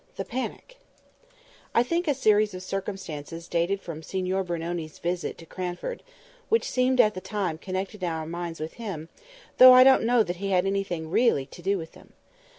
THE PANIC I THINK a series of circumstances dated from Signor Brunoni's visit to Cranford, which seemed at the time connected in our minds with him, though I don't know that he had anything really to do with them.